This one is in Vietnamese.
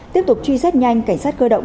tiếp tục truy xét nhanh cảnh sát cơ động